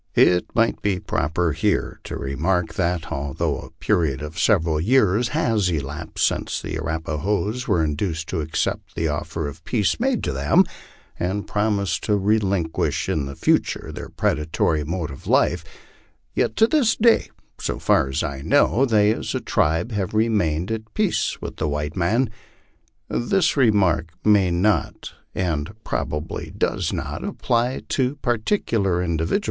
It might be proper here to remark that, although a period of sev eral years has elapsed since the Arapahoes were induced to accept the offer of peace made to them, and promised to relinquish in the future their predatory mode of life, yet to this day, so far as I know, they as a tribe have remained at peace witli the white men. This remark may not, r,nd probably does not, apply to particular individu MY LIFE ON THE PLAINS.